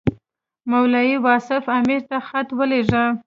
مولوي واصف امیر ته خط ولېږه.